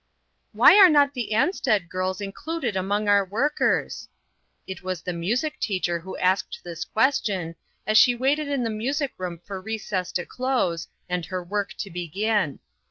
WHY are not the Ansted girls included among our workers?" It was the music teacher who asked this question, as she waited in the music room for recess to close, and her work to begin.